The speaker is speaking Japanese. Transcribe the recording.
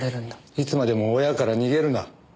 いつまでも親から逃げるな。